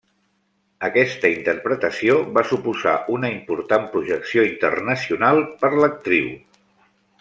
Aquesta interpretació va suposar una important projecció internacional per l'actriu.